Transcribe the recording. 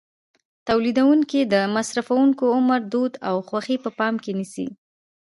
تولیدوونکي د مصرفوونکو عمر، دود او خوښې په پام کې نیسي.